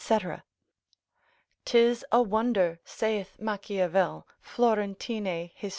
'Tis a wonder, saith Machiavel, Florentinae, his.